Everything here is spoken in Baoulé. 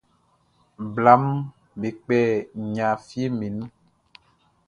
Blaʼm be kpɛ nɲa fieʼm be nun.